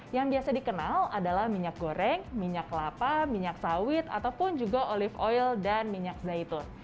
yang biasa dikenal adalah minyak goreng minyak kelapa minyak sawit ataupun juga olive oil dan minyak zaitun